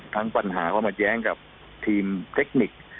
ทั้งปัญหาความอดแย้งกับทีมเทคนิค